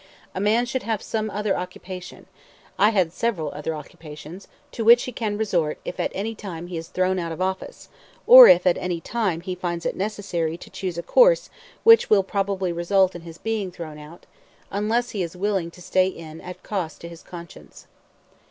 A man should have some other occupation I had several other occupations to which he can resort if at any time he is thrown out of office, or if at any time he finds it necessary to choose a course which will probably result in his being thrown out, unless he is willing to stay in at cost to his conscience.